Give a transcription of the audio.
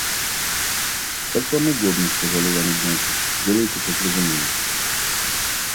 «Как вам угодно, – сказал Иван Игнатьич, – делайте, как разумеете.